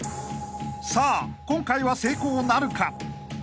［さあ今回は成功なるか］